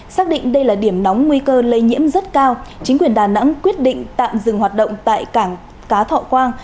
xác định đây là điểm nóng nguy cơ lây nhiễm rất cao chính quyền đà nẵng quyết định tạm dừng hoạt động tại cảng cá thọ quang